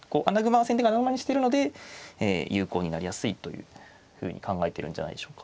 先手が穴熊にしてるので有効になりやすいというふうに考えてるんじゃないでしょうか。